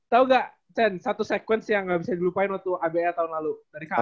tau ga cenn satu sekuens yang ga bisa dilupain waktu abl tahun lalu dari kan